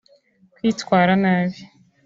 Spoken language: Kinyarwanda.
kwitwara nabi